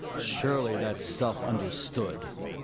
Surely that's self understood.